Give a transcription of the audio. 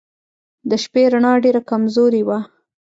د شپې رڼا ډېره کمزورې وه.